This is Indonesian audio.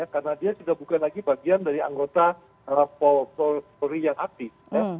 karena dia sudah bukan lagi bagian dari anggota polri yang aktif